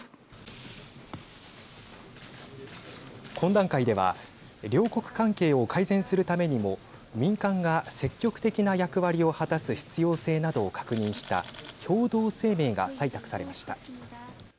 懇談会では両国関係を改善するためにも民間が積極的な役割を果たす必要性などを確認した共同声明が採択されました。